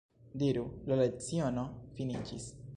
Diru: La leciono finiĝis.